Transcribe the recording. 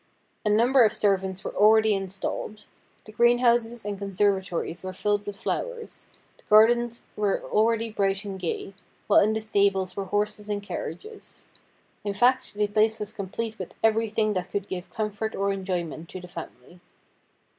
A number of servants were already installed. The greenhouses and conservatories were filled with flowers ; the gardens were already bright and gay ; while in the stables were horses and carriages. In fact, the place was complete with everything that could give comfort or enjoyment to the family.